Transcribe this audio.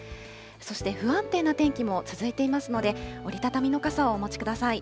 そして不安定な天気も続いていますので、折り畳みの傘をお持ちください。